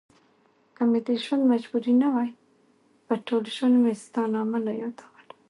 که مې دزړه مجبوري نه وای په ټوله ژوندمي ستا نامه نه يادوله